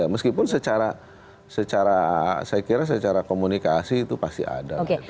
meskipun secara komunikasi itu pasti ada